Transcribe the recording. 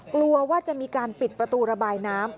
กลัวว่าจะมีการปิดประตูระบายน้ำ